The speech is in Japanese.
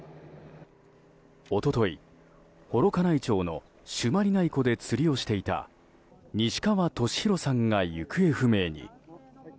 一昨日、幌加内町の朱鞠内湖で釣りをしていた西川俊宏さんが行方不明に。